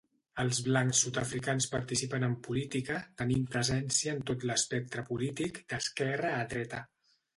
Els blancs sud-africans participen en política, tenint presència en tot l'espectre polític, d'esquerra a dreta.